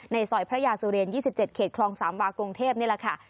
ในสอยพระยาสุเรน๒๗เขตคลอง๓วาคกรงเทพนี่ล่ะค่ะ